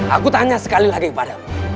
aku tanya sekali lagi kepadamu